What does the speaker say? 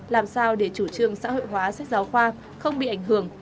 làm sao để chủ trương xã hội hóa sách giáo khoa không bị ảnh hưởng